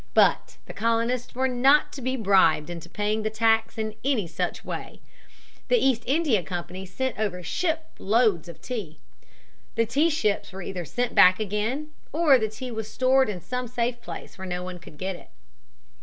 But the colonists were not to be bribed into paying the tax in any such way. The East India Company sent over ship loads of tea. The tea ships were either sent back again or the tea was stored in some safe place where no one could get it.